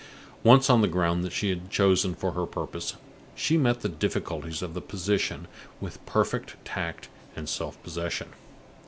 Once on the ground that she had chosen for her purpose, she met the difficulties of the position with perfect tact and self possession.